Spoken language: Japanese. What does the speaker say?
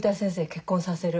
結婚させる。